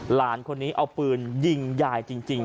หลานคนนี้เอาปืนยิงยายจริง